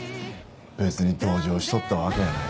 別に同情しとったわけやない。